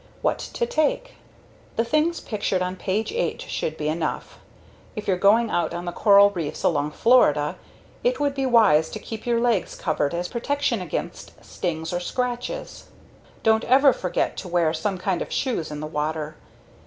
What to take? The things pictured on page 8 should be enough. If you're going out on the coral reefs along Florida, it would be wise to keep your legs covered as protection against stings or scratches. Don't ever forget to wear some kind of shoes in the water.